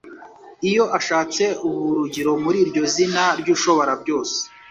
iyo ashatse ubuhurugiro muri iryo zina ry'Ushobora byose.